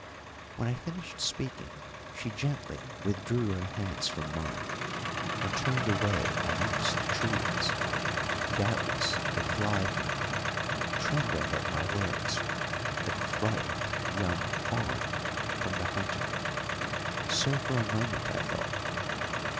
When I finished speaking she gently withdrew her hands from mine and turned away amongst the trees, doubtless to fly from me, trembling at my words, like a frightened young fawn from the hunter. So for a moment I thought.